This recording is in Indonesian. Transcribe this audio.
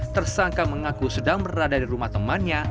tersangka mengaku sedang berada di rumah temannya